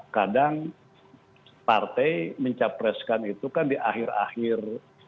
karena partai mencapreskan itu kan di akhir akhir